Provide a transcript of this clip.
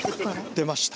出ました。